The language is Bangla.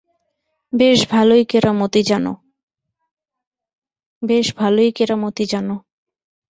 বেশ ভালোই কেরামতি জানো।